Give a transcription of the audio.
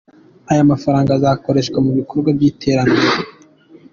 Aya mafaranga azakoreshwa mu bikorwa by’iterambere.